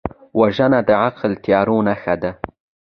وژنه د عقل د تیارو نښه ده